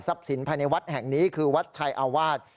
สินภายในวัดแห่งนี้คือวัดชัยอาวาส